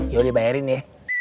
yaudah bayarin ya